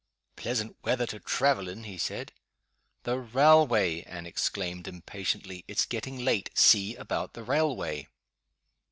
"Pleasant weather to travel in!" he said. "The railway!" Anne exclaimed, impatiently. "It's getting late. See about the railway!"